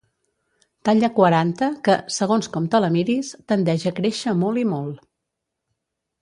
Talla quaranta que, segons com te la miris, tendeix a créixer molt i molt.